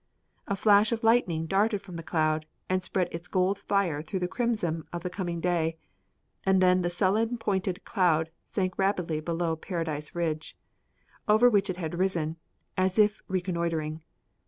A flash of lightning darted from the cloud and spread its gold fire through the crimson of the coming day, and then the sullen pointed cloud sank rapidly below Paradise Ridge, over which it had risen, as if reconnoitering.